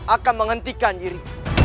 akan menghentikan diri